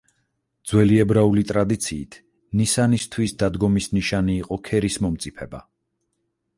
ძველი ებრაული ტრადიციით ნისანის თვის დადგომის ნიშანი იყო ქერის მომწიფება.